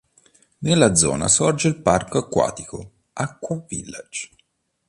Nella zona sorge il parco acquatico "Acqua Village".